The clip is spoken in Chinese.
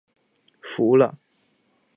服了